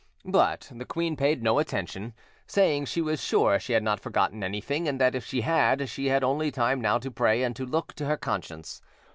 But the queen paid no attention, saying she was sure she had not forgotten anything, and that if she had, she had only time now to pray and to look to her conscience.